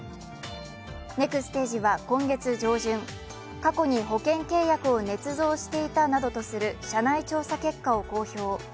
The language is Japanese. ネクステージは今月上旬、過去に保険契約をねつ造していたなどとする社内調査結果を公表。